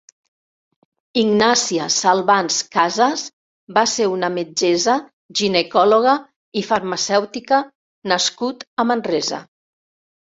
Ignacia Salvans Casas va ser un metgessa ginecòloga i farmacèutica nascut a Manresa.